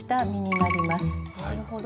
なるほど。